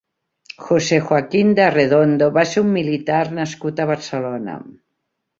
José Joaquín de Arredondo va ser un militar nascut a Barcelona.